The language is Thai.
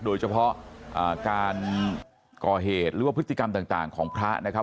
โดยเฉพาะการก่อเหตุหรือว่าพฤติกรรมต่างของพระนะครับ